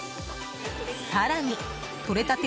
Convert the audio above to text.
更に、とれたて